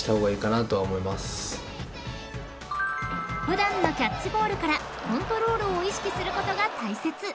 ［普段のキャッチボールからコントロールを意識することが大切］